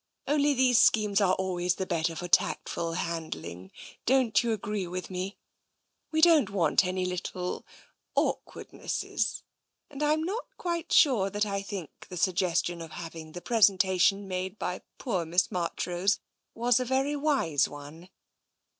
Only these schemes are always the better for tactful handling, don't you agree with me? We don't want any little awkwardnesses. And I'm not quite sure that I think the suggestion of having the presenta tion made by poor Miss Marchrose was a very wise one.